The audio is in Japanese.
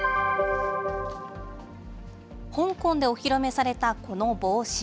香港でお披露目されたこの帽子。